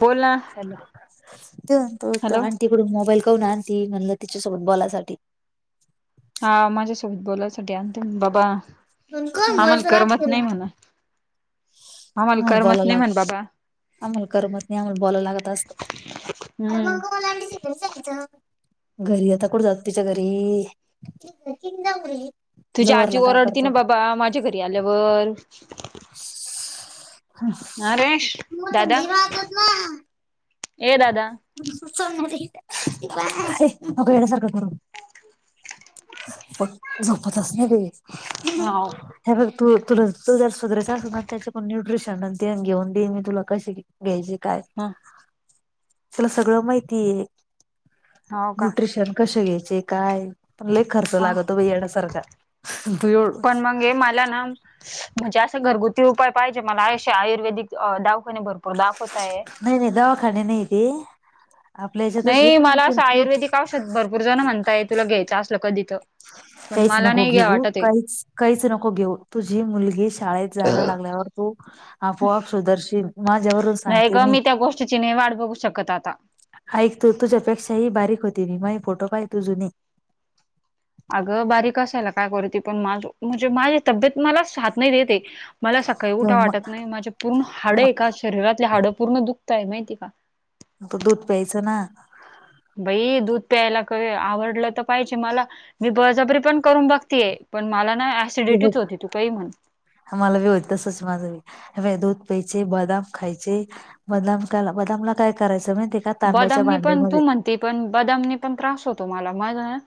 बोल ना hello hello [unintelligible] तिकडून मोबाईल कहून आंती म्हणल तिच्यासोबत बोला साठी, हा माझ्यासोबत बोलायसाठी आणते मी बाबा. आम्हाला करमत नाही म्हणे, आम्हाला करमत नाही म्हणे बाबा, अमाला करमत नायी अमाला बोलाव लागत असत अरे कोण हम्म बोललाय. तस कस घरी आता कुठ जात तिच्या घरी तिन जाऊ बोलली. तुझी आजी ओरडती ना बाबा माझ्या घरी आल्यावर, अरे मला थंडी वाजत नाही. ये दादा, [unintelligible] पण झोपतच नाही बाई, हाव हे बग तू तु जरा सुधारायचा त्याच्या पण वेगळी. जाताण तेन घेउन देन मी तुला कशी घ्यायची काय, हा, सगळ माहितीये हाव का न्यूट्रिशन कशे घ्यायचे काय, पण लय खर्च ह लागतो बई येड्यासारखा बर, पण मंग ये मला ना, म्हणजे अस घरगुती उपाय पाहिजे मला अशे आयुर्वेदिक दावाखाने भरपूर दाखवताये. नाही नाही दवाखाने नाही ते आपल्या याच्यातच पण मग न्यू, बूरज ना म्हणताय तुला घ्यायच असल कदी त काईच नको घेऊ काई काहीच नको घेऊ तुझी मुलगी शाळेत जायला लागल्यावर. हो, आपोआप सुदर्शील माझ्यावरून नाही सांगते ग मी, त्या गोष्टीची नाही वाट बघू शकत आता. ऐक तू तुझ्यापेक्षाही बारीक होती मी, माये फोटो काही तू जुने, अग बारीक असायला काय करू ते पण माझ म्हणजे माझी तब्येत मला च साथ नाही देत आहे. मला सकाळी उठाव वाटत नायी, माझे पूर्ण हाड आहे का शरीरातले हाडं पूर्ण दुखताये माहिती का? आता दूध प्यायचं ना. बई दूध प्यायला क आवडल तर पायीजे मला मी बळ जबरी पण करून बघतीये? पण मला ना हे ॲसिडिटी बघ होती तू काही म्हण, मला वी होत तसच माझ बि, दूध प्यायचे बदाम खायची. बदनामकाला, बदामला काय करायचं माहिती बदामनी पण, तू म्हणती पण बदामनी पण त्रास होतो मला ना मला ना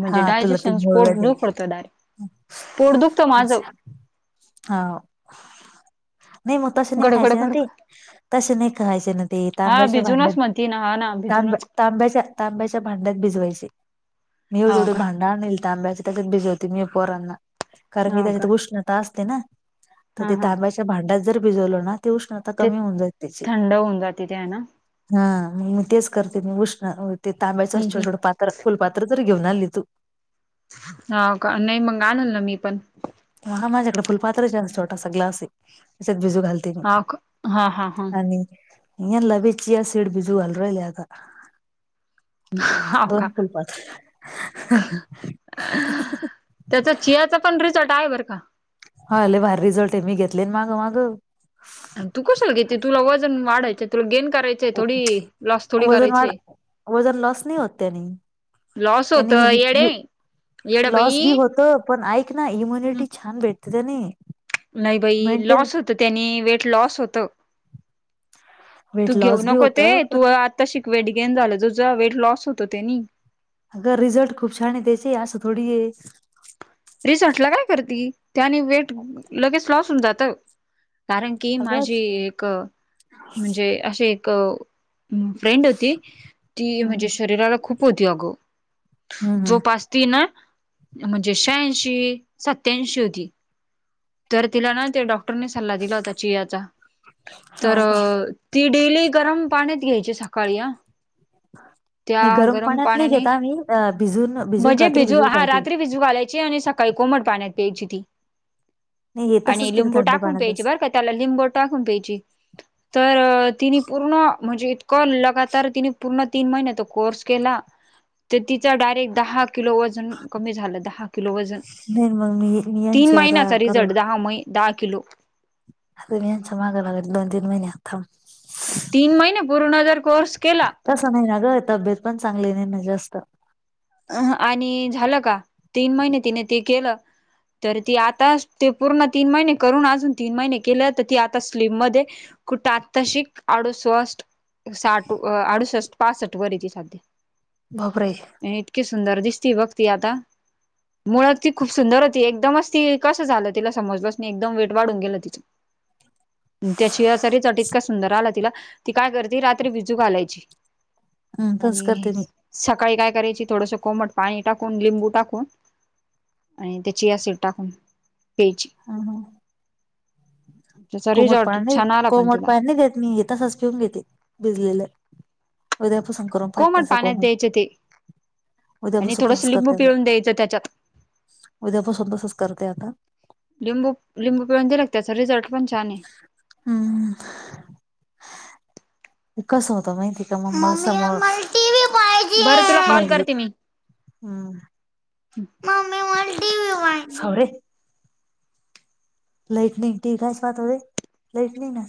म्हणजे हा तुला ते डायजेशन मुळव्या पोट दे. दुखवत डायरेक्ट पोट दुखतं माझं हा नाही तसं नाही गडगड खायचे ना गडगड ते, तसे खायचे ना ते तांब्याच्या भांड्यात ते ना, हा ना तांब्या भिजूनच. तांब्याच्या तांब्याच्या भांड्यात भिजवायचे मी एवढे हो एवढे का भांड आणलं तांब्याचे त्याच्यात भिजवते मी पोरांना कारण की हो त्याच्यात का उष्ण असते ना तर हा ते हा तांब्याच्या भांड्यात जर भिजवलं ना ते उष्णता ते कमी होऊन जाईल त्याची थंड होऊन जाते ते आहे ना हा मी तेच करते मी उष्ण ते तांब्याचं हम्म छोटं छोटं हम्म पात्र फुलपात्र आता तरी घेऊन आली तू हाव का नाही मग आनन ना मी पण हा माझ्याकडे फुलपात्र छोटासा ग्लास आहे त्यात भिजू घालते हो का हा हा हा आणि यांना बी सी एसेड भिजू घालून राहिले आता हाव दोन का फुलपात्र अ त्याच्यात चियाचा पण रिसॉर्ट आहे बरं का हा लय भारी रिझल्ट आहे मी घेतले ना मागं मागं आणि तू कशाला घेते तुला वजन वाढायचं तुला गेन करायचेय थोडी लॉस थोडी वजन वाढ करायचे वजन लॉस नाही होत त्यानी लॉस होत त्यानी येडे येड लॉस बाई बी होतो पण ऐक ना इम्युनिटी छान भेटते त्यानी नाही बाई लॉस होतो त्यानी वेट लॉस होतं तू वेट घेऊ लॉस बी नको ते होतं तू पण आत्ता शिक वेट गेन झालं तुझं वेट लॉस होतं त्यानी अगं रिझल्ट खूप छान आहे त्याचे असं थोडीए रिसॉर्टला काय करती त्यानी वेट लगेच लॉस होऊन जातं कारण की अगं माझी एक म्हणजे अशी एक फ्रेंड होती ती हं, म्हणजे शरीराला खूप होती अगं हं, हं. जोपासती ना म्हणजे अशी श्याऐंशी, सत्याऐंशी होती तर तिला ना डॉक् नी सल्ला दिला होता चियाचा तर हाव का? ती डेली गरम पाण्यात घ्यायची सकाळी आ त्या नाही गरम पाण्यात नाही पाण्याने घेत आम्ही अ भिजून भिजून म्हणजे रात्री भिजू भिजून हा घालते. रात्री भिज तू घालायचे आणि सकाळी कोमट पाण्यात प्यायची ती नाही हे आणि तसंच पिते लिंबू थंड टाकून प्यायची पाण्यातच बरं का त्याला लिंबू टाकून प्यायची तर तिने पूर्ण म्हणजे इतकं लगातार तिने पूर्ण तीन महिने तर कोर्स केला तर तिचा डायरेक्ट दहा किलो वजन कमी झालं दहा किलो वजन नाही मग मी मी तीन यांची आता महिन्याचा करू रिझल्ट दहा मै दहा किलो अ यांच्या मागं लागत दोन तिन महिने आता थांब तीन महिने पूर्ण जर कोर्स केला तसं नाही ना गं तब्येत पण चांगली नाही ना जास्त अ आणि झालं का तीन महिने तिने ते केलं तर ती आता ते पूर्ण तीन महिने करून अजून तीन महिने केले तर ती आता स्लीम मध्ये कुठं आत्ताशिक आडुसष्ट साठ आडुसष्ट पासठ वर येते सध्या बापरे आणि इतकी सुंदर दिसतीय बघ ती आता. मुळात ती खूप सुंदर होती, एकदमच ती कसं झालं तिला समजलच नाही, एकदम वेट वाढून गेलं तिचं. [inaudible] त्या चिया सरीचा ट इतका सुंदर आला तिला, ती काय करती रात्री भिजू घालायची. हम्म तसंच आणि करते मी सकाळी काय कराय ची थोडसं कोमट पाणी टाकून, लिंबू टाकून आणि ते चिया सिड टाकून. प्यायची. हम्म. त्याचा कोमट रिझॉल्ट पाणी नाही छान आला पण कोमट तिला पाणी नाही देत तसच पिऊन घेते भिजलेलं. उद्यापासून करून पाहते तसं पाण्यात कोमट. द्यायचे ते आणि उद्यापासून थोडस तसंच लिंबू करते आता, पिळून द्यायचं त्याच्यात उद्यापासून तसंच करते आता. लिंबू लिंबू पिळून दिला का त्याचा रिझर्ट पण छान. आहे हूं.... ते कस होतं माहितीय का मग मा समोर टीव्ही बरं तुला कॉल करते मी. हुं.. मम्मी मला टीव्ही पाहायचाय, थांबरे. लाईट नाही टि. वी. कायसे पाहता रे लाईट नाही ना.